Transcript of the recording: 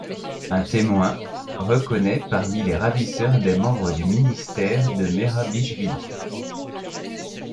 Un témoin, reconnaît parmi les ravisseurs des membres du ministère de Merabichvili.